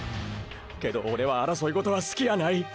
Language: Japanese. けどオレは争い事は好きやない。